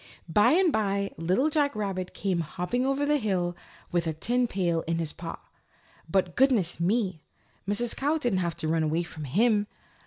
By and by Little Jack Rabbit came hopping over the top of the hill with a tin pail in his paw. But, goodness me! Mrs. Cow didn't have to run away from him.